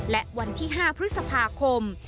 และวันที่๕พฤษภาคม